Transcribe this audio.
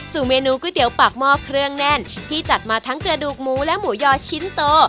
เมนูก๋วยเตี๋ยวปากหม้อเครื่องแน่นที่จัดมาทั้งกระดูกหมูและหมูยอชิ้นโต